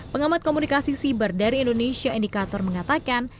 pengamat komunikasi siber dari indonesia indikator mengatakan